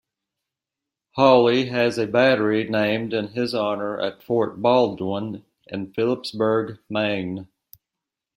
Hawley has a battery named in his honor at Fort Baldwin, in Phippsburg, Maine.